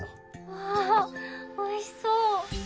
わあおいしそう！